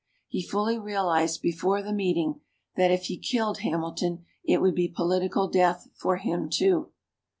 He fully realized before the meeting that if he killed Hamilton it would be political death for him, too.